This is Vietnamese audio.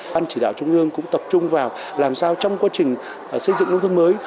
ban chỉ đạo trung ương cũng tập trung vào làm sao trong quá trình xây dựng nông thôn mới